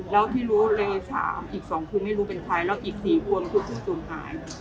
แล้วที่รู้เลย๓อีก๒คนไม่รู้เป็นใครแล้วอีก๔คนคือผู้สูญหาย